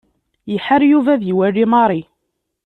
Iḥar Yuba ad iwali Mary.